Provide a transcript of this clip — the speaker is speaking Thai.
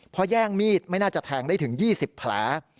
เพราะแย่งมีดไม่น่าจะแทงได้ถึง๒๐แผล